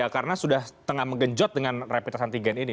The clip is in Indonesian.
karena sudah tengah menggenjot dengan rapid antigen ini